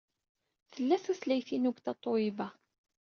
Tella tutlayt-inu deg Tatoeba.